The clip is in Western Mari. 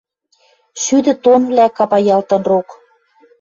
Шӱдӹ тоннвлӓ капаялтын рок.